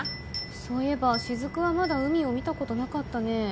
そういえば雫はまだ海を見たことなかったね